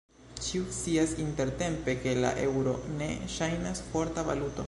Ĉiu scias intertempe ke la eŭro ne ŝajnas forta valuto.